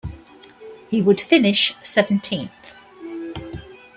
He would finish seventeenth.